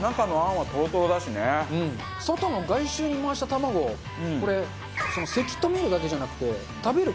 外の外周に回した卵これせき止めるだけじゃなくて食べる